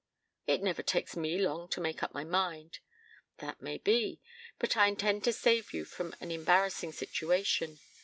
"It never takes me long to make up my mind " "That may be, but I intend to save you from an embarrassing situation.